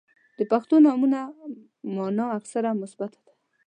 • د پښتو نومونو مانا اکثراً مثبته ده.